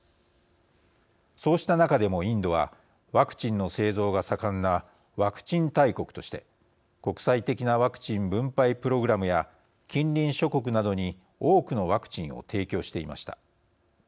そうした中でも、インドはワクチンの製造が盛んなワクチン大国として国際的なワクチン分配プログラムや近隣諸国などに多くのワクチンを提供していました。